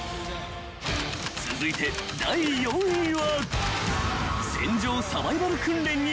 ［続いて第４位は］